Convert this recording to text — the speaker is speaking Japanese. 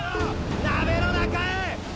鍋の中へ！